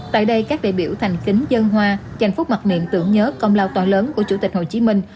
tại đây các đại biểu thành kính dân hoa trành phúc mặt niệm tưởng nhớ công lao tòa lớn của chủ tịch hồ chí minh